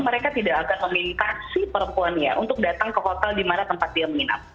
mereka tidak akan meminta si perempuannya untuk datang ke hotel di mana tempat dia menginap